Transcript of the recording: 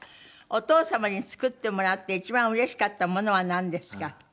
「お父様に作ってもらって一番うれしかったものはなんですか？」